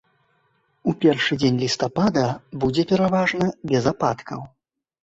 У першы дзень лістапада будзе пераважна без ападкаў.